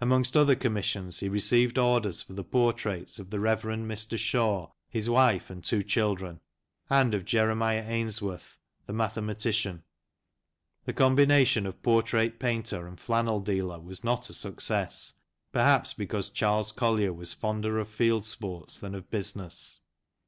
Amongst other commissions, he received orders for the portraits of the Rev. Mr. Shaw, his wife, and two children, and of Jeremiah Ainsworth, the mathe matician. The combination of portrait painter and flannel dealer was not a success, perhaps because Charles Collier was fonder of field sports than of business.